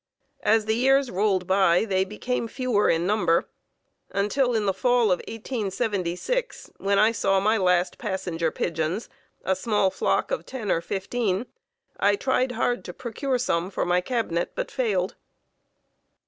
As the years rolled by they became fewer in number until in the fall of 1876, when I saw my last Passenger Pigeons (a small flock of ten or fifteen), I tried hard to procure some for my cabinet, but failed.